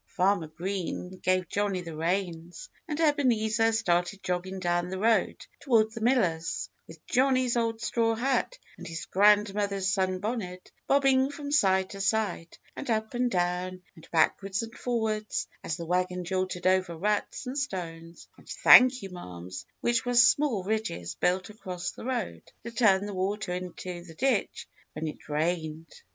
Farmer Green gave Johnnie the reins; and Ebenezer started jogging down the road toward the miller's, with Johnnie's old straw hat and his grandmother's sunbonnet bobbing from side to side, and up and down, and backwards and forwards, as the wagon jolted over ruts and stones and thank you ma'ams which were small ridges built across the road, to turn the water into the ditch when it rained.